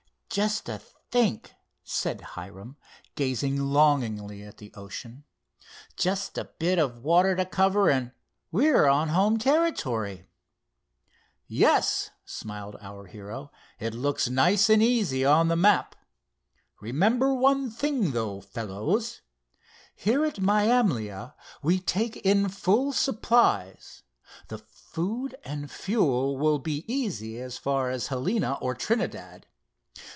"Just to think," said Hiram, gazing longingly at the ocean—"just a bit of water to cover, and we are on home territory." "Yes," smiled our hero, "it looks nice and easy on the map. Remember one thing, though, fellows: here at Mayamlia we take in full supplies. The food and fuel will be easy as far as Helena or Trinidad.